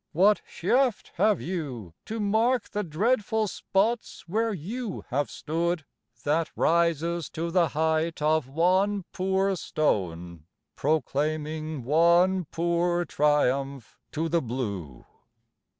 What shaft have you, To mark the dreadful spots where you have stood, That rises to the height of one poor stone Proclaiming one poor triumph to the blue